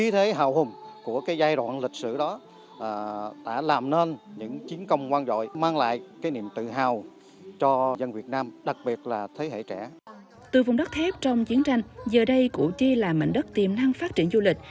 từ vùng đất thép trong chiến tranh giờ đây củ chi là mảnh đất tiềm năng phát triển du lịch